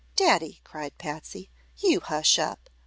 "Daddy," cried Patsy, "you hush up.